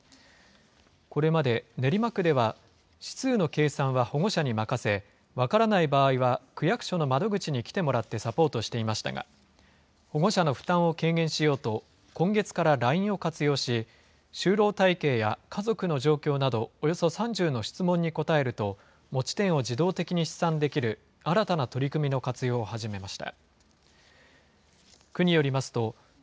これまで練馬区では、指数の計算は保護者に任せ、分からない場合は区役所の窓口に来てもらってサポートしていましたが、保護者の負担を軽減しようと、今月からＬＩＮＥを活用し、就労体系や家族の状況など、およそ３０の質問に答えると、持ち点を自動的に試算できる新たな取り組みの活用を始めました。